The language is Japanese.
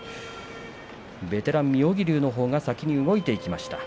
ベテラン妙義龍のほうが先に動いていきました。